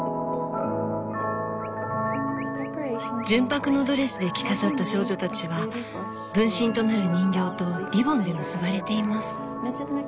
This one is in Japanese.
純白のドレスで着飾った少女たちは分身となる人形とリボンで結ばれています。